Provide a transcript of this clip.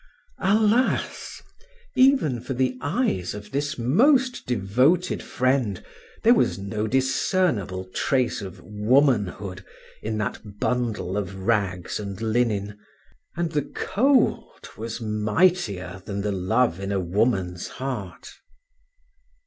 Alas! even for the eyes of this most devoted friend, there was no discernible trace of womanhood in that bundle of rags and linen, and the cold was mightier than the love in a woman's heart.